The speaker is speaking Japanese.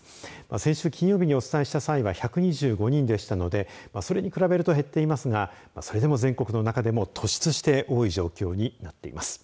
先週金曜日にお伝えした際は１２５人でしたのでそれに比べると減っていますがそれでも全国の中でも突出して多い状況になっています。